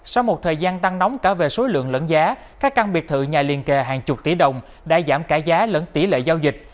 sau một thời gian tăng nóng cả về số lượng lẫn giá các căn biệt thự nhà liên kề hàng chục tỷ đồng đã giảm cả giá lẫn tỷ lệ giao dịch